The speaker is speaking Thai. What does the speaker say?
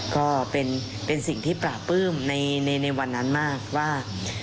ก็เป็นสิ่งที่ปราบปลื้มในวันนั้นมากว่า